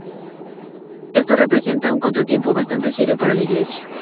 Esto representa un contratiempo bastante serio para la iglesia.